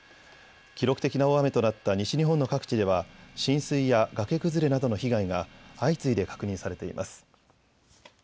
記録的な大雨となった西日本の各地では、浸水や崖崩れなどの被害が、相次いで確認されています。